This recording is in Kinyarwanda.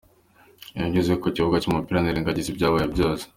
Iyo ngeze mu kibuga cy’umupira, nirengagiza ibyabaye byose.